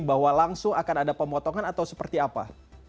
bahwa langsung akan ada pemotongan atau seperti apa